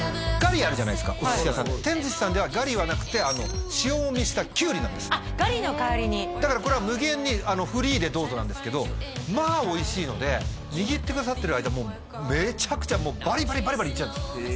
ガリあるじゃないですかお寿司屋さん天寿しさんではガリはなくて塩もみしたきゅうりなんですあっガリの代わりにだからこれは無限にフリーでどうぞなんですけどまあおいしいので握ってくださってる間もうめちゃくちゃもうバリバリバリバリいっちゃうんです